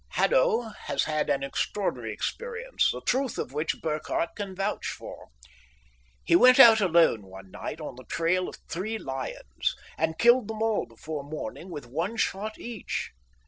Haddo has had an extraordinary experience, the truth of which Burkhardt can vouch for. He went out alone one night on the trail of three lions and killed them all before morning with one shot each.